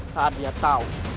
saat dia tahu